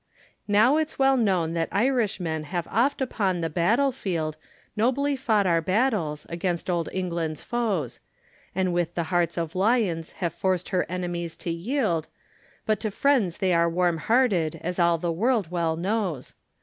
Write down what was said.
Now its well known that Irishmen have oft upon the battle field, Nobly fought our battles, against old England's foes. And with the hearts of lions have forced her enemies to yield; But to friends they are warm hearted, as all the world well knows.